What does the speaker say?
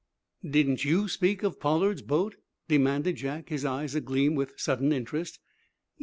"Didn't you speak of Pollard's boat?" demanded Jack, his eyes agleam with sudden interest.